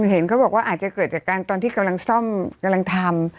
เห็นเขาบอกว่าอาจจะเกิดจากการตอนที่กำลังซ่อมกำลังทำ